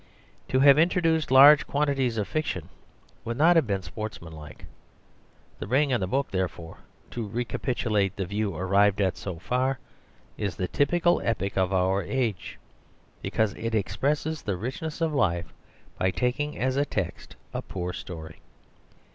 To have introduced large quantities of fiction would not have been sportsmanlike. The Ring and the Book therefore, to re capitulate the view arrived at so far, is the typical epic of our age, because it expresses the richness of life by taking as a text a poor story.